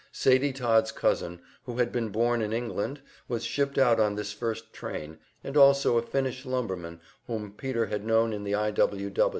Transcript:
Sadie Todd's cousin, who had been born in England, was shipped out on this first train, and also a Finnish lumberman whom Peter had known in the I. W.